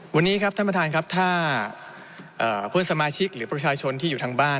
วันนี้ครับท่านประธานครับถ้าเพื่อนสมาชิกหรือประชาชนที่อยู่ทางบ้าน